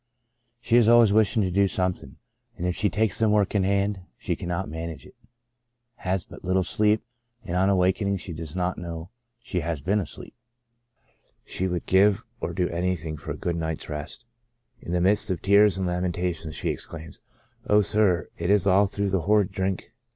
She is always wishing to do something, and if she takes some work in hand, she can not manage it ;] has but little sleep, and on awaking she does not know she has been asleep : she would give or do anything for a good night's rest. In the midst of tears and lamentations, she exclaims, " O sir ! it is all through the horrid drink."